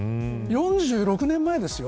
４６年前ですよ。